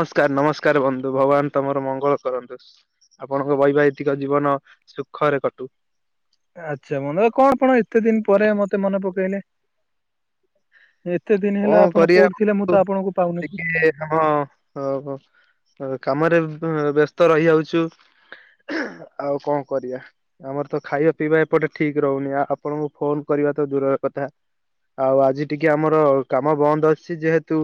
ନମସ୍କାର! ନମସ୍କାର ବନ୍ଧୁ! ଭଗବାନ ତମର ମଙ୍ଗ ଳ କରନ୍ତୁ। ଆପଣଙ୍କ ବୈବାହିତିକ ଜୀବନ ସୁଖରେ କଟୁ। ଆଚ୍ଛା, ମନ କଣ, ଆପଣ ଏତେ ଦିନ ପରେ ମତେ ମନେ ପକେଇଲେ? ଏତେ ଦିନ ହେଲା କଣ ଆପଣ କରିବା କୋଉଠି ଥିଲେ ମୁଁ ତ ଆଉ? ଆପଣଙ୍କୁ ପାଉନଥିଲି ଟିକେ ଆମ କା-କାମରେ ହ ବ୍ୟସ୍ତ ରହିଯାଉଛୁ। ଆହାଃ ଆଉ କଣ କରିବା ଆମର ତ ଖାଇବା ପିଇବା ଏପଟେ ଠିକ ରହୁନି, ଆପଣଙ୍କୁ ଫୋନ କରି ତ ଦୂରର କଥା, ଆଉ ଆଜି ଟିକେ ଆମର କାମ ବନ୍ଦ ଅଛି ଯେହେତୁ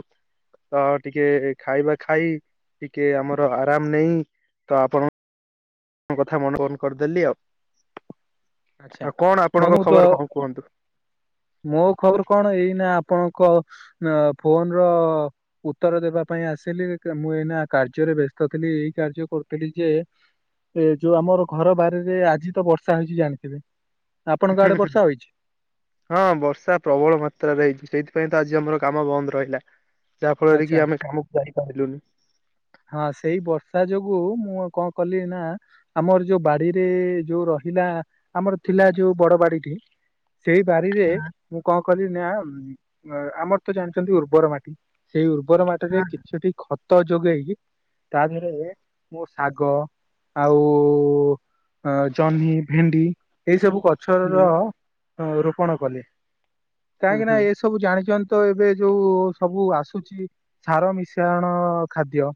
ତ ଟିକେ ଖାଇବା ଖାଇ ଟିକେ ଆମର ଆରାମ ନେଇହି ତ ଆପଣ ଣଙ୍କ କଥା ମନ, ଫୋନ କରିଦେଲି ଆଉ। ଆଚ୍ଛା ଆଉ କଣ ବନ୍ଧୁ ଆପଣଙ୍କ ତ ଖବର କଣ କୁହନ୍ତୁ। ମୋ ଖବର କଣ, ଏଇନା ଆପଣଙ୍କ ଫୋନର ଉତ୍ତର ଦେବା ପାଇଁ ଆସିଲି ମୁଁ ଏଇନା କାର୍ଯ୍ୟରେ ବ୍ୟସ୍ତ ଥିଲି, ଏଇ କାର୍ଯ୍ୟ କରୁଥିଲି ଯେ, ଏ ଯୋଉ ଆମର ଘର ବାରିରେ ଆଜି ତ ବର୍ଷା ହେଇଛି ଜାଣି ଥିବେ। ହୁଁ ହୁଁ ହଁ ବର୍ଷା ପ୍ରବଳ ମାତ୍ରାରେ ହେଇଛି ସେଇଥିପାଇଁ ତ ଆଜି ଆମର କାମ ବନ୍ଦ ରହିଲା, ଯାହା ଫଳରେ ଆଚ୍ଛା କି ଆମେ କାମକୁ ଯାଇପାରିଲୁନି। ହଁ ସେଇ ବର୍ଷା ଯୋଗୁ, ମୁଁ କଣ କଲି ନା ଆମର ଯୋଉ ବାଡିରେ ଯୋଉ ର ହିଲା, ଆମର ଯୋଉ ଥିଲା ବଡ ବାଡିଟିଏ। ସେଇ ବାରିରେ ମୁଁ କଣ କଲିି ନା ଆମର ତ ଜାଣିଛନ୍ତି ଉର୍ବର ମାଟି ସେଇ ଉର୍ବର ମାଟିରେ କିଛିଟି ଖତ ଯୋଗେଇ ତାଦେହରେ ମୋର ଶାଗ ଆଉ ଜହ୍ନି, ଭେଣ୍ଡି ଏଇ ସବୁ ଗଛର ହୁଁ ରୋପଣ କଲେ, ହୁଁ କାହିଁକି ନା ହୁଁ ଏସବୁ ଜାଣିଛନ୍ତି ତ ଏବେ ଯୋଉ ସବୁ ଆସୁଛି ସାର ମିଶାଣ ଖାଦ୍ୟ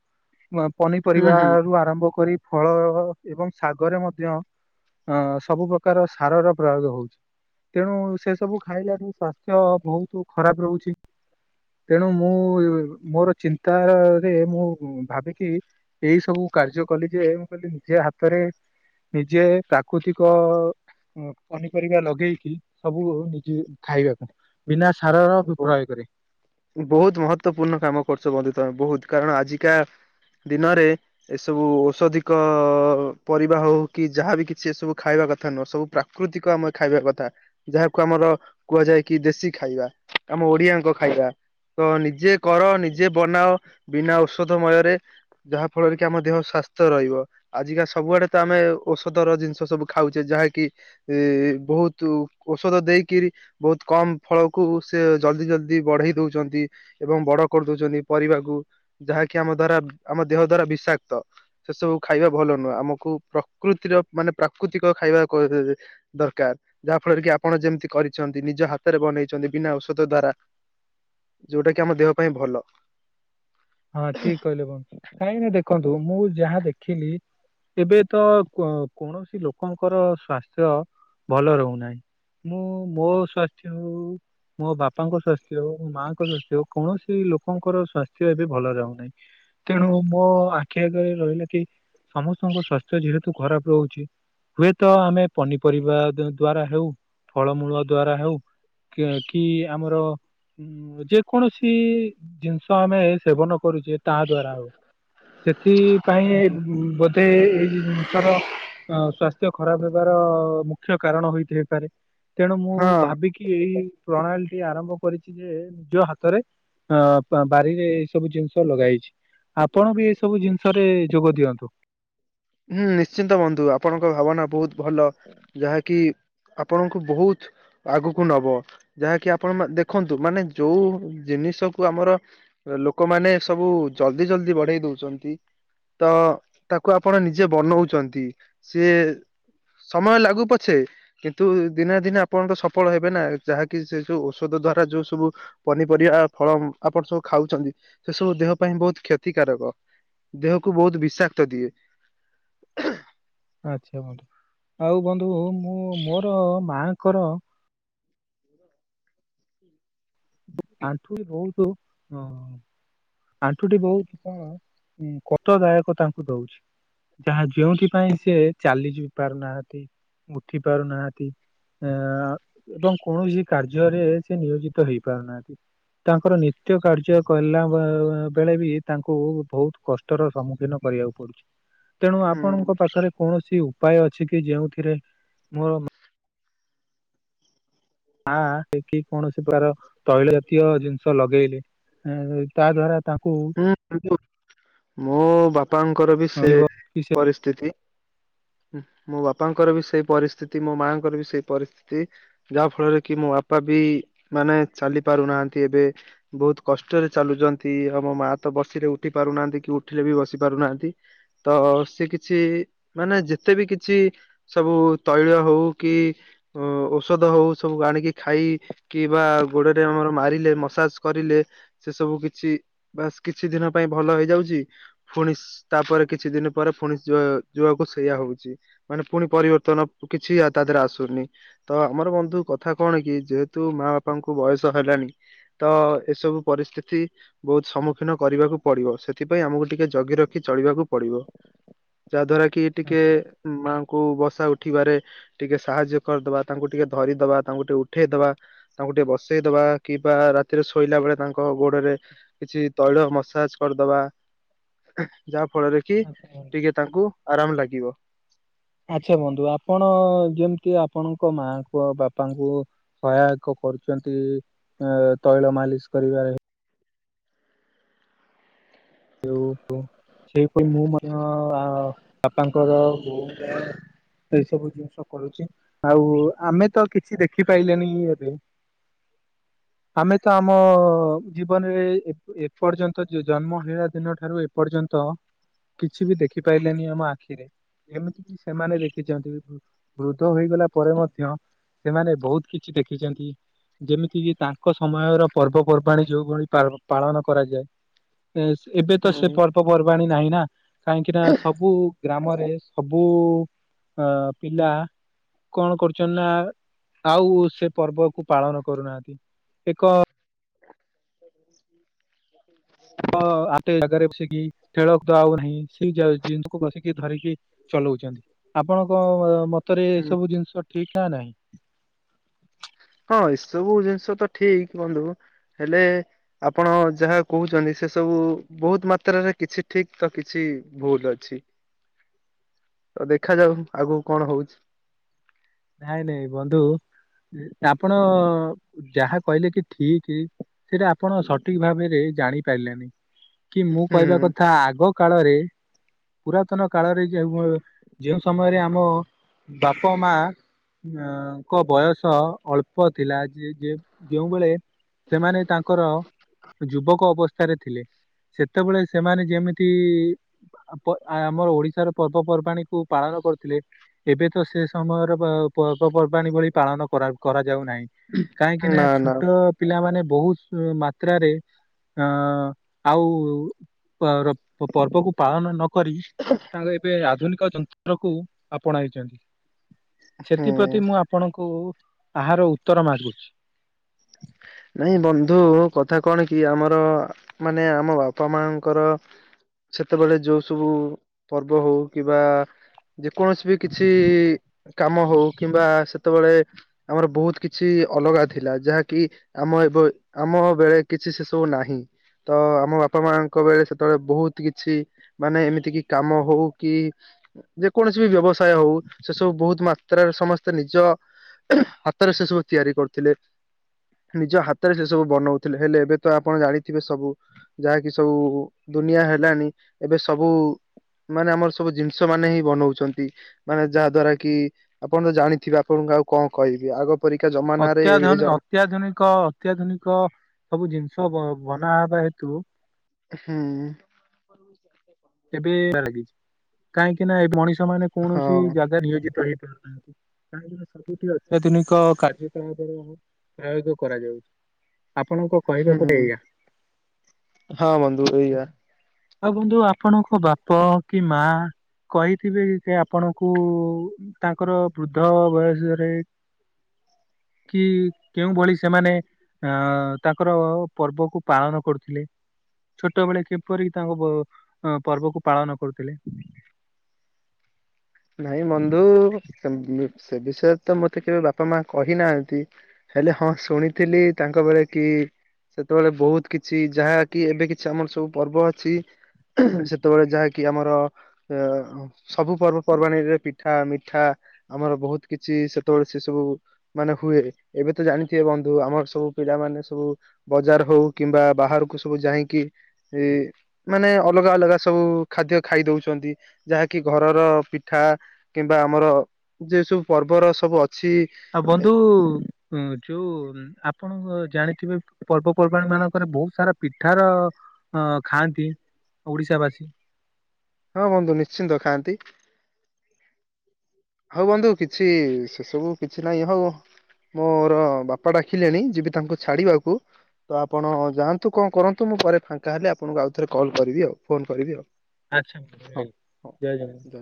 ହୁଁ ହୁଁ। ପନିପରିବାରୁ ଆରମ୍ଭ କରି ଫଳ ଏବଂ ଶାଗରେ ମଧ୍ୟ ଅ ସବୁ ପ୍ରକାର ସାରର ପ୍ରୟୋଗ ହଉଛି, ତେଣୁ ସେ ସବୁ ଖାଇଲା ଠୁ ସାସ୍ଥ୍ୟ ବହୁତ ଖରାପ ରହୁଛି, ତେଣୁ ମୁଁ ମୋର ଚିନ ତାରରେ ମୁଁ ଭାବିକି ଏଇ ସବୁ କାର୍ଯ୍ୟ କଲି ଯେ, ମୁଁ କହିଲି ନିଜେ ହାତରେ ନିଜେ ପ୍ରାକୃତିକ ପନି ପରିବା ଲଗେଇକି ସବୁ ନିଜେ ଖାଇବାକୁ। ବିନା ସାରର ପ୍ରୟୋଗ ରେ। ବହୁତ ମହତ୍ୱପୂର୍ଣ୍ଣ କାମ କରୁଛ ବନ୍ଧୁ ତମେ ବହୁତ କାରଣ ଆଜିକା ଦିନରେ ଏସବୁ ଔଷଧିକ ପରିବା ହଉ କି ଯାହାବି କିଛି ଏସବୁ ଖାଇବା କଥା ନୁହଁ ସବୁ ପ୍ରାକୃତିକ ଆମେ ଖାଇବା କଥା ଯାହାକୁ ଆମର କୁହାଯାଏ କି ଦେଶୀ ଖାଇବା। ଆମ ଓଡିଆଙ୍କ ଖାଇବା। ତ ନିଜେ କର ନିଜେ ବନାଅ ବିନା ଔଷଧମୟରେ ଯାହା ଫଳରେ କି ଆମ ଦେହ ସା ସୁସ୍ଥ ରହିବ ଆଜିକା ସବୁଆଡେ ତ ଆମେ ଔଷଧ ର ଜିନିଷ ସବୁ ଖାଉଛେ ଯାହାକି ଇ ବହୁତୁ ଔଷଧ ଦେଇକିରି ବହୁତ କମ ଫଳ କୁ ସେ ଜଲ୍ଦି ଜଲଦି ବଢେଇ ଦଉଛନ୍ତି ଏବଂ ବଡ କରିଦଉଛନ୍ତି ପରିବାକୁ ଯାହାକି ଆମ ଦ୍ୱାରା ଉଁ ଆମ ଦେହ ଦ୍ଵାରା ବିଷାକ୍ତ। ସେ ସବୁ ଖାଇବା ଭଲ ନୁହଁ। ଆମକୁ ପ୍ରକୃତିର ମାନେ ପ୍ରା ପ୍ରାକୃତିକ ଖାଇବା କ ଦ ଦ ଦରକାର ଯାହା ଫଳରେ କି ଆପଣ ଯେମିତି କରିଛନ୍ତି ନିଜ ହାତରେ ବନେଇ ଛନ୍ତି ବିନା ଔଷଧ ଦ୍ଵାରା ଯୋଉଟା କି ଆମ ଦେହ ପାଇଁ ଭଲ। ହଁ ଠିକ କହିଲେ ବଂ କାହିଁକି ନା ଦେଖନ୍ତୁ ମୁଁ ଯାହା ଦେଖିଲି। ଏବେ ତ କ୍ଵ କୌଣସି ଲୋକଙ୍କର ସ୍ଵାସ୍ଥ୍ୟ ଭଲ ରହୁନାହିଁ। ମୁଁ ମୋ ସ୍ୱାସ୍ଥ୍ୟ ହେଉ। ମୋ ବାପାଙ୍କ ସ୍ୱାସ୍ଥ୍ୟ ହଉ ମୋ ମାଆଙ୍କ ସ୍ଵାସ୍ଥ୍ୟ ହଉ କୌଣସି ଲୋକଙ୍କର ସ୍ଵାସ୍ଥ୍ୟ ଏବେ ଭଲ ରେ ହଉ ନାହିଁ ତେଣୁ ମୋ ଆଖି ଆଗରେ ରହିଲା କି ସମସ୍ତଙ୍କ ସ୍ଵାସ୍ଥ୍ୟ ଯେହେତୁ ଖରାପ ରହୁଛି। ହୁଏତ ଆମେ ପନିପରିବା ଦ୍ୱା-ଦ୍ଵାରା ହେଉ ଫଳମୂଳ ଦ୍ଵାରା ହେଉ। କିଅ କି ଆମର ଉଁ ଯେକୌଣସି ଜିନିଷ ଆମେ ସେବନ କରୁଛି ତା ଦ୍ଵାରା ହବ ସେଥିପାଇଁ ଉଁ ବୋ ତେ ଏଇ ଏଇ ଜିନିଷର ଅ ସ୍ଵାସ୍ଥ୍ୟ ଖରାପ ହେବାର ମୁଖ୍ୟ କାରଣ ହୋଇଥାଇପାରେ। ତେଣୁ ମୁଁ ହଁ ଭାବିକି ଏଇ ପ୍ରଣାଳ ଟି ଆରମ୍ଭ କରିଛି ଯେ ନିଜ ହାତରେ ଅଁ ବା-ବାରିରେ ଏଇ ସବୁ ଜିନିଷ ଲଗାହେଇଛି। ଆପଣ ବି ଏଇ ସବୁ ଜିନିଷରେ ଯୋଗ ଦିଅନ୍ତୁ। ହୁଁ ନିଶ୍ଚିନ୍ତ ବନ୍ଧୁ ଆପଣଙ୍କ ଭାବନା ବହୁତ ଭଲ ଯାହାକି ଆପଣଙ୍କୁ ବହୁତ ଆଗକୁ ନବ ଯାହାକି ଆପଣ ମା ଦେଖନ୍ତୁ ମାନେ ଯୋଉ ଯେ ଜିନିଷ କୁ ଆମର ଅ ଲୋକମାନେ ସବୁ ଜଲଦି ଜଲଦି ବଢେଇ ଦଉଛନ୍ତି। ତ ତାକୁ ଆପଣ ନିଜେ ବନଉଛନ୍ତି ସିଏ। ସମୟ ଲାଗୁ ପଛେ କିନ୍ତୁ ଦିନେ ନା ଦିନେ ଆପଣ ତ ସଫଳ ହେବେ ନା ଯାହାକି ସେ ଯୋଉ ଔଷଧ ଦ୍ଵାରା ଯୋଉ ସବୁ ପନିପରିବା ଫଳ ଆପଣ ସବୁ ଖାଉଛନ୍ତି ସେ ସବୁ ଦେହ ପାଇଁ ବହୁତ କ୍ଷତିକାରକ। ଦେହକୁ ବହୁତ ବିଷାକ୍ତ ଦିଏ। ଆଚ୍ଛା ବନ୍ଧୁ ଆଉ ବନ୍ଧୁ ମୁଁ ମୋର ମା ଙ୍କର। ଆଣ୍ଠୁ ବି ବହୁତୁ ହଁ। ଆଣ୍ଠୁଟି ବହୁତ କଣ ଉଁ କଷ୍ଟଦାୟକ ତାଙ୍କୁ ଦଉଛି। ଯାହା ଯେଉଁଥିପାଇଁ ସେ ଚାଲି ବି ପାରୁନାହାନ୍ତି ଉଠି ପାରୁନାହାନ୍ତି। ଏଁ ଏବଂ କୌଣସି କାର୍ଯ୍ୟରେ ସେ ନିୟୋଜିତ ହେଇପାରୁନାହା ତାଙ୍କର ନିତ୍ୟ କାର୍ଯ୍ୟ କଲା ବ-ବ-ବେଳେ ବି ତାଙ୍କୁ ବହୁତୁ କଷ୍ଟର ସମ୍ମୁଖୀନ କରିବାକୁ ପଡୁଛି ତେଣୁ ହୁଁ ଆପଣଙ୍କ ପାଖରେ କୌଣସି ଉପାୟ ଅଛି କି ଯେଉଁଥିରେ ମୋର ଆ ଦେଖି କୌଣ ସେ ପ୍ରକାର ତୈଳ ଜାତୀୟ ଜିନିଷ ଲଗେଇଲେ ଏଁ ତା ଦ୍ଵାରା ତାଙ୍କୁ ହୁଁ ମୋ ବାପାଙ୍କର ବି ସେ ପରିସ୍ଥିତି। ଉଁହ। ମୋ ବାପାଙ୍କର ବି ସେ ପରିସ୍ଥିତି। ମୋ ମାଆଙ୍କର ବି ସେ ପରିସ୍ଥିତି। ଯାହା ଫଳରେ କି ମୋ ବାପା ବି ମାନେ ଚାଲି ପାରୁନାହାନ୍ତି ଏବେ। ବହୁତ କଷ୍ଟରେ ଚାଲୁଛନ୍ତି। ଆମ ମା ତ ବସିଲେ ଉଠି ପାରୁନାହାନ୍ତି କି ଉଠିଲେ ବି ବସି ପାରୁନାହାନ୍ତି। ତ ସେ କିଛି ମାନେ ଯେତେ ବି କିଛି ସବୁ ତୈଳ ହଉ କି ଉଁ ଔଷଧ ହଉ ସବୁ ଆଣିକି ଖାଇ କି ବା ଗୋଡରେ ଆମର ମାରିଲେ ମସାଜ କରିଲେ ସେ ସବୁ କିଛି ବାସ କିଛି ଦିନ ପାଇଁ। ଭଲ ହେଇଯାଉଛି। ପୁଣି ସସ ତାପରେ କିଛି ଦିନ ପରେ ପୁଣି ଯୋ ଯୋଉଆକୁ ସେଇୟା ହଉଛି। ମାନେ ପୁଣି ପରିବର୍ତ୍ତନ କିଛି ଆ ତା ଦେହରେ ଆସୁନି। ତ ଆମର ବନ୍ଧୁ କଥା କଣ କି ଯେ ତୁ ମା ବାପାଙ୍କୁ ବୟସ ହେଲାଣି ତ ଏସବୁ ପରିସ୍ଥିତି ବହୁତ ସମ୍ମୁଖୀନ କରିବାକୁ ପଡ଼ିବ ସେଥିପାଇଁ ଆମକୁ ଟିକେ ଜଗି ରଖି ଚଳିବାକୁ ପଡ଼ିବ, ଯାହା ଦ୍ଵାରା କି ଟିକେ ଆଚ୍ଛା। ମା ଙ୍କୁ ବସା ଉଠିବାରେ ଟିକେ ସାହାଯ୍ୟ କରିଦବା, ତାଙ୍କୁ ଟିକେ ଧରିଦବା, ତାଙ୍କୁ ଟିକେ ଉଠେଇଦବା। ତାଙ୍କୁ ଟିକେ ବସେଇଦବା କିମ୍ବା ରାତିରେ ଶୋଇଲା ବେଳେ ତାଙ୍କ ଗୋଡ଼ରେ କିଛି ତୈଳ ମସା ସାଜ୍ କରିଦବା। ଯାହା ଫଳରେ କି ଟିକେ ତାଙ୍କୁ ଆରାମ ଲାଗିବ। ଆଚ୍ଛା ବନ୍ଧୁ ଆପଣ ଯେମିତି ଆପଣଙ୍କ ମାଙ୍କୁ ଆଉ ବାପାଙ୍କୁ ସହାୟକ କରୁଛନ୍ତି ତୈଳ ମାଲିସ କରିବାରେ। କେଉ ପ ସେଇପରି ମୁଁ ମଧ୍ୟ ଆ ବାପାଙ୍କର ବୋଉଙ୍କ ଏଇ ସବୁ ଜିନିଷ କରୁଛି ଆଉ ଆମେ ତ କିଛି ଦେଖିପାଇଲେନି ଏବେ ଆମେ ତ ଆମ ଜୀବନରେ ଏ-ଏପର୍ଯ୍ୟନ୍ତ ଜ-ଜନ୍ମ ହେଲା ଦିନ ଠାରୁ ଏପର୍ଯ୍ୟନ୍ତ କିଛି ବି ଦେଖିପାଇଲେନି ଆମ ଆଖିରେ। ଏମିତିକି ସେମାନେ ଦେଖିଛନ୍ତି ବୃ-ବୃଦ୍ଧ ହୋଇଗଲା ପରେ ମଧ୍ୟ ସେମାନେ ବହୁତ କିଛି ଦେଖିଛନ୍ତି। ଯେମିତିକି ତାଙ୍କ ସମୟର ପର୍ବପର୍ବାଣି ଯୋଉଭଳି ପାଳ ପାଳନ କରାଯାଏ, ଏବେ ତ ସେ ହୁଁ ପର୍ବପର୍ବାଣି ନାହିଁ ନା। କାହିଁକି ନା ସବୁ ଗ୍ରାମରେ ସବୁ ଅ ପିଲା କଣ କରୁଛନ୍ତି ନା ଆଉ ସେ ପର୍ବକୁ ପାଳନ କରୁନାହାନ୍ତି। ଏକ ଆତେ ଜାଗାରେ ବସିକି ଖେଳ ଦ ଆଉ ନାହିଁ ସେଇ ଜିନିଷକୁ ବସିକି ଧରିକି ଚ ଳୁଛନ୍ତି ଆପଣଙ୍କ ମତରେ ଏସବୁ ଜିନିଷ ଠିକ ନା ନାହିଁ। ହଁ ଏସବୁ ଜିନିଷ ତ ଠିକ ବନ୍ଧୁ ହେଲେ ଆପଣ ଯାହା କହୁଛନ୍ତି ସେ ସବୁ ବୁ ବହୁତ ମାତ୍ରାରେ କିଛି ଠିକ ତ କିଛି ଭୁଲ ଅଛି। ତ ଦେଖାଯାଉ ଆଗକୁ କଣ ହଉଛି? ନାଇଁ ନାଇଁ ବନ୍ଧୁ। ଆପଣ ଯାହା କହିଲେ କି ଠିକ ସେଇଟା ଆପଣ ସଠିକ ଭାବେରେ ଜାଣି ପାଇଲେନି କି ମୁଁ ହୁଁ କହିବା କଥା ଆଗ କାଳରେ ପୁରାତନ କାଳରେ ଯେ ଯେଉଁ ସମୟରେ ଆମ ବାପ ମା ଅଙ୍କ ବୟସ ଅଳ୍ପ ଥିଲା ଯେ ଯେ ଯେଉଁବେଳେ ସେମାନେ ତାଙ୍କର ଯୁବକ ଅବସ୍ଥାରେ ଥିଲେ। ସେତେବେଳେ ସେମାନେ ଯେମିତି ପ ଆମର ଓଡ଼ିଶାର ପର୍ବପର୍ବାଣି କୁ ପାଳନ ନ କରୁଥିଲେ ଏବେ ତ ସେ ସମୟର ପର୍ବପର୍ବାଣୀ ଭଳି ପାଳନ କରା କରାଯାଉନାହିଁ କାହିଁକି ନା ଛୋଟ ପିଲାମାନେ ବହୁତ ମାତ୍ରାରେ ଅ ଆଉ ଆର ପର୍ବକୁ ପାଳନ ନ କରି ତାଙ୍କ ଏବେ ଆଧୁନିକ ଯନ୍ତ୍ରକୁ ଆପଣାଇଛନ୍ତି। ହୁଁ ସେଥିପ୍ରତି ମୁଁ ଆପଣଙ୍କୁ ଆହାର ଉତ୍ତର ମାଗୁଛି। ନାଇଁ ବନ୍ଧୁ କଥା କଣ କି ଆମର ମାନେ ଆମ ବାପା ମା ଙ୍କର ସେତେବେଳେ ଯୋଉ ସବୁ ପର୍ବ ହଉ କିମ୍ବା ଯେକୌଣସି ବି କିଛି କାମ ହଉ କିମ୍ବା ସେ ଯେତେବେଳେ ଆମର ବହୁତ କିଛି ଅଲଗା ଥିଲା ଯାହା କି ଆମ ଏବେ ଆମ ବେଳେ କିଛି ସେସବୁ ନାହିଁ। ତ ଆମ ବାପା ମାଙ୍କ ବେଳେ ସେତେବେଳେ ବହୁତ କିଛି ମାନେ ଏମିତି କି କାମ ହଉ କି ଯେକୌଣସି ବି ବ୍ୟବସାୟ ହଉ ସେ ସବୁ ବହୁତ ମାତ୍ରାରେ ସମସ୍ତେ ନିଜ ହାତରେ ସେସବୁ ତିଆରି କରୁଥିଲେ। ନିଜ ହାତରେ ସେସବୁ ବନଉଥିଲେ ହେଲେ ଏବେ ତ ଆପଣ ଜାଣିଥିବେ ସବୁ ଯାହାକି ସବୁ ଦୁ ନିଆ ହେଲାଣି ଏବେ ସବୁ ମାନେ ଆମର ସବୁ ଜିନିଷ ମାନେ ହିଁ ବନଉଛନ୍ତି ମାନେ ଯାହା ଦ୍ଵାରା କି ଆପଣ ତ ଜାଣିଥିବେ ଆପଣ ଆଉ କଣ କଇବି ଆଗ ପରୀକା ଜମାନାରେ ଏବେ ଜ କ ଅତ୍ୟାଧୁନିକ ସବୁ ଜିନିଷ ବନାହବା ହେତୁ ହୁଁ। ଏବେ ଲାଗିଛି କାହିଁକି ନା ଏ ମଣିଷ ମାନେ କୌଣସି ହଁ ଜାଗା ନିୟୋଜିତ ହେଇ ସବୁଠି ଅତ୍ୟାଧୁନିକ କାର୍ଯ୍ୟ କଳାପର ପ୍ରୟୋଗ କରାଯାଉଛି। ଆପଣଙ୍କ କହିବାକୁ ହୁଁ ଏୟା। ହଁ ବନ୍ଧୁ ଏଇଆ ଆଉ ବନ୍ଧୁ ଆପଣଙ୍କ ବାପ କି ମା କହିଥିବେ କି ଯେ ଆପଣଙ୍କୁ ତାଙ୍କର ବୃଦ୍ଧ ବୟସରେ କି କେଉଁ ଭଳି ସେମାନେ ଅ ତାଙ୍କର ପର୍ବକୁ ପାଳନ କରୁଥିଲେ ଛୋଟବେଳେ କିପରି? ତାଙ୍କ ପ ଅଁ ପର୍ବକୁ ପାଳନ କରୁଥିଲେ? ନାଇଁ ବନ୍ଧୁ ସେମ୍ ସେ ବିଷୟରେ ତ ମତେ କେବେ ବାପା ମା କହିନାହାନ୍ତି। ହେଲେ ହଁ ଶୁଣିଥିଲି ତାଙ୍କ ବେଳେ କି ସେତେବେଳେ ବହୁତ୍ କିଛି ଯାହା କିି ଏବେ କିଛି ଆମର ସବୁ ପର୍ବ ଅଛି। ସେତେବେଳେ ଯାହାକି ଆମର ଅ ସବୁ ପର୍ବ ପର୍ବାଣିରେ ପିଠା ମିଠା ଆମର ବହୁତ୍ କିଛି ସେତେବେଳେ ସେ ସବୁ ମାନେ ହୁଏ ଏବ୍ ଏବେ ତ ଜାଣିଥିବେ ବନ୍ଧୁ ଆମର ସବୁ ପିଲାମାନେ ସବୁ ବଜାର ହଉ କିମ୍ବା ବାହାରକୁ ସବୁ ଯାଇଁକି ଏ ମାନେ ଅଲଗା ଅଲଗା ସବୁ ଖାଦ୍ୟ ଖାଇ ଦଉଛନ୍ତି ଯାହାକି ଘରର ପିଥ୍ ଠା କିମ୍ବା ଆମର ଯେ ସବୁ ପର୍ବର ସବୁ ଅ ଆଉ ବନ୍ଧୁ ଉଁ ଯୋଉ ଆପଣଙ୍କ ଜାଣିଥିବେ ପର୍ବପର୍ବାଣି ମାନଙ୍କରେ ବହୁତ୍ ସାରା ପିଠାର ଅ ଖାଆନ୍ତି। ଓଡ଼ିଶାବାସୀ। ହଁ ବନ୍ଧୁ ନିଶ୍ଚିନ୍ତ ଖାଆନ୍ତି। ହଉ ବନ୍ଧୁ କିଛି ସେ ସବୁ କିଛି ନାହିଁ ହଉ। ମୋର ବାପା ଡାକିଲେଣି ଯିବି ତାଙ୍କୁ ଛାଡ଼ିବାକୁ। ତ ଆପଣ ଯାଆନ୍ତୁ କଣ କରନ୍ତୁ ମୁଁ ପରେ ଫାଙ୍କା ହେଲେ ଆପଣଙ୍କୁ ଆଉ ଥରେ କଲ୍ କରିବି ଆଉ ଫୋନ କରିବି ଆଉ। ଆଚ୍ଛା ମ ଭାଇ ହଁ ଜୟ ହଁ। ଜଗନ୍ନାଥ। ଜୟ